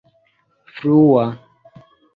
flua